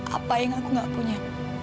apa yang aku gak punya